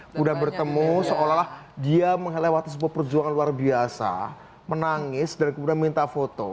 kemudian bertemu seolah olah dia melewati sebuah perjuangan luar biasa menangis dan kemudian minta foto